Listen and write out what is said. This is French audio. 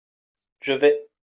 Je vais.